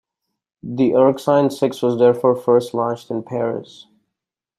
The Erskine Six was therefore first launched in Paris.